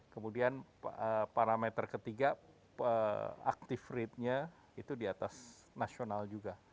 kemudian parameter ketiga active ratenya itu di atas nasional juga